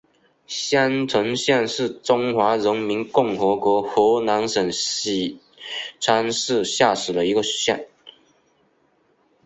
襄城县是中华人民共和国河南省许昌市下属的一个县。